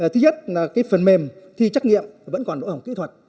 thứ nhất là phần mềm thi trách nhiệm vẫn còn nội hồng kỹ thuật